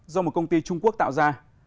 do một công ty trung quốc tạo ra